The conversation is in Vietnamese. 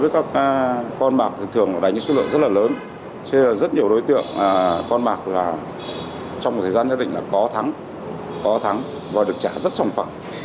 các con bạc thường đánh sức lượng rất là lớn cho nên rất nhiều đối tượng con bạc trong thời gian nhất định là có thắng có thắng và được trả rất sòng phẳng